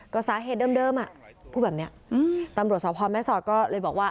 ก็สาเหตุเดิมอ่ะพูดแบบนี้ตำรวจสพแม่สอดก็เลยบอกว่า